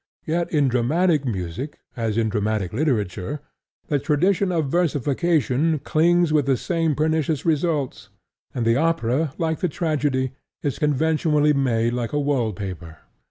Yet in dramatic music, as in dramatic literature, the tradition of versification clings with the same pernicious results; and the opera, like the tragedy, is conventionally made like a wall paper.